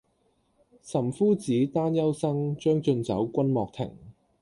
岑夫子，丹丘生，將進酒，君莫停！